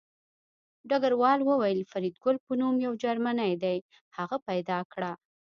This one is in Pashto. ډګروال وویل فریدګل په نوم یو جرمنی دی هغه پیدا کړه